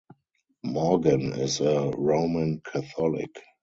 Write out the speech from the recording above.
Morgan is a Roman Catholic.